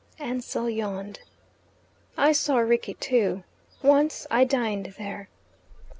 Ansell yawned. "I saw Rickie too. Once I dined there."